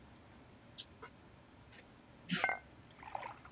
Baada ya Karume kufariki Nyerere aliwasilisha na kupitishwa kwenye Bunge la Muungano